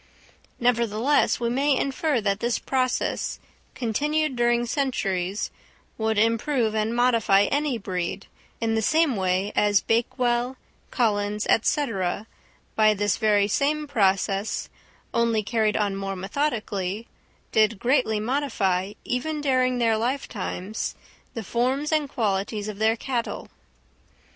Nevertheless we may infer that this process, continued during centuries, would improve and modify any breed, in the same way as Bakewell, Collins, &c., by this very same process, only carried on more methodically, did greatly modify, even during their lifetimes, the forms and qualities of their cattle.